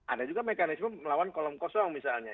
ada juga mekanisme melawan kolom kosong misalnya